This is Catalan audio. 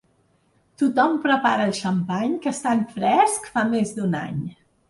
Tothom prepara el xampany que està en fresc fa més d'un any.